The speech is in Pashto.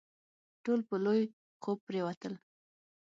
ټول په لوی خوب پرېوتل.